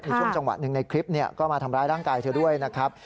คือช่วงจังหวะหนึ่งในคลิปก็มาทำร้ายร่างกายเธอด้วยนะครับ